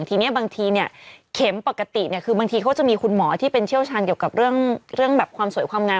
ทีนี้บางทีเนี่ยเข็มปกติเนี่ยคือบางทีเขาจะมีคุณหมอที่เป็นเชี่ยวชาญเกี่ยวกับเรื่องแบบความสวยความงาม